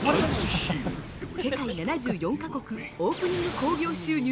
世界７４か国オープニング興行収入